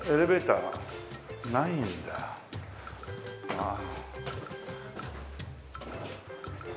ああ！